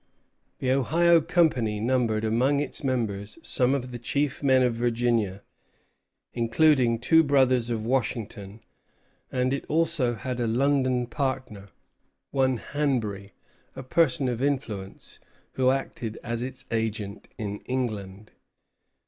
The Ohio Company numbered among its members some of the chief men of Virginia, including two brothers of Washington; and it had also a London partner, one Hanbury, a person of influence, who acted as its agent in England.